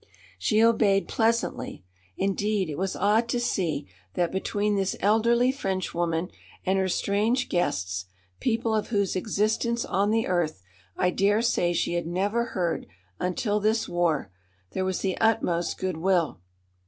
She obeyed pleasantly. Indeed, it was odd to see that between this elderly Frenchwoman and her strange guests people of whose existence on the earth I dare say she had never heard until this war there was the utmost good will.